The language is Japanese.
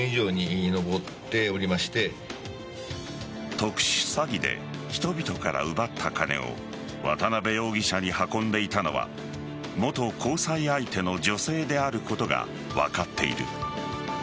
特殊詐欺で人々から奪った金を渡辺容疑者に運んでいたのは元交際相手の女性であることが分かっている。